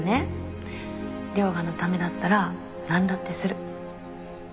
涼牙のためだったらなんだってする。